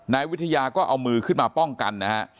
นายวิทยาก็เอามือขึ้นมาป้องกันนะฮะ